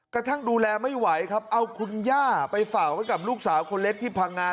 กระทั่งดูแลไม่ไหวครับเอาคุณย่าไปฝากไว้กับลูกสาวคนเล็กที่พังงา